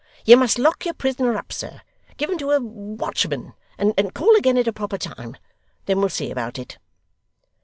You must lock your prisoner up, sir give him to a watchman and call again at a proper time. Then we'll see about it!